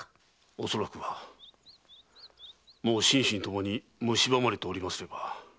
恐らくはもう心身ともにむしばまれておりますれば。